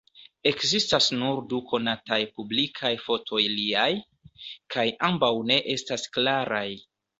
Ekzistas nur du konataj publikaj fotoj liaj; kaj ambaŭ ne estas klaraj.